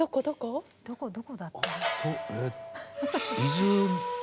どこだった？